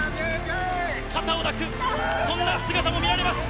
肩を抱く、そんな姿も見られます。